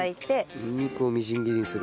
にんにくをみじん切りにする。